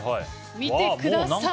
見てください